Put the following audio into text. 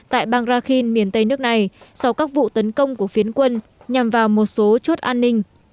tại bang rakhin miền tây nước này sau các vụ tấn công của phiến quân nhằm vào một số chốt an ninh